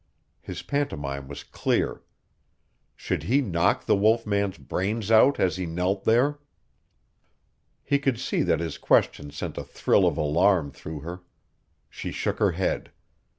His pantomime was clear. Should he knock the wolf man's brains out as he knelt there? He could see that his question sent a thrill of alarm through her. She shook her head.